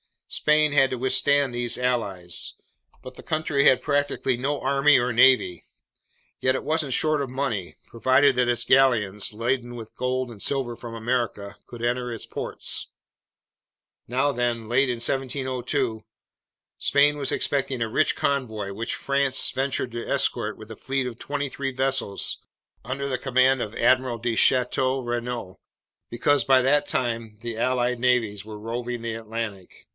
"Spain had to withstand these allies. But the country had practically no army or navy. Yet it wasn't short of money, provided that its galleons, laden with gold and silver from America, could enter its ports. Now then, late in 1702 Spain was expecting a rich convoy, which France ventured to escort with a fleet of twenty three vessels under the command of Admiral de Chateau Renault, because by that time the allied navies were roving the Atlantic.